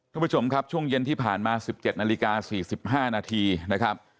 คุณผู้ชมครับช่วงเย็นที่ผ่านมา๑๗นาฬิกา๔๕นาทีนะครับ